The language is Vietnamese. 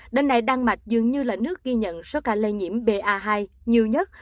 đến nay đan mạch dường như là nước ghi nhận số ca lây nhiễm ba hai nhiều nhất